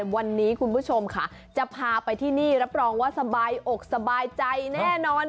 วันนี้คุณผู้ชมค่ะจะพาไปที่นี่รับรองว่าสบายอกสบายใจแน่นอน